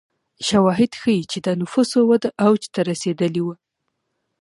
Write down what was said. شواهد ښيي چې د نفوسو وده اوج ته رسېدلې وه.